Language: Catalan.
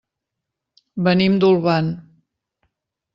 Venim d'Olvan.